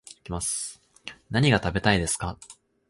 何が食べたいですか